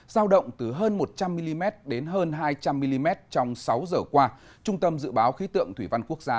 giao động từ hơn một trăm linh mm đến hơn hai trăm linh mm trong sáu giờ qua trung tâm dự báo khí tượng thủy văn quốc gia